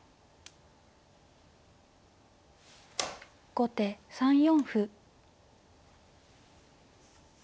後手３四歩。